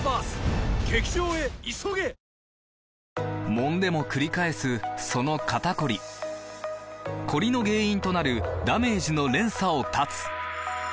もんでもくり返すその肩こりコリの原因となるダメージの連鎖を断つ！